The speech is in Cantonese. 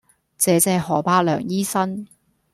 謝謝何栢良醫生